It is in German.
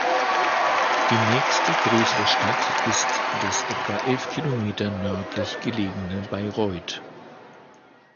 Die nächste größere Stadt ist das etwa elf Kilometer nördlich gelegene Bayreuth.